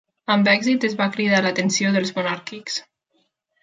Amb èxit es va cridar l'atenció dels monàrquics.